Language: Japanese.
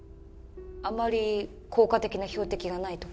あまり効果的な標的がないとか？